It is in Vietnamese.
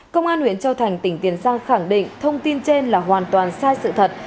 công an huyện châu thành tỉnh tiền giang khẳng định thông tin trên là hoàn toàn sai sự thật